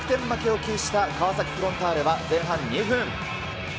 負けを喫した川崎フロンターレは前半２分。